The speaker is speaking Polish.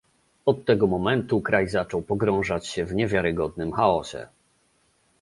Od tego momentu kraj zaczął pogrążać się w niewiarygodnym chaosie